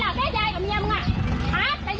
มึงไม่พามันไปกินน้ำเย็นที่บ้านกูเลย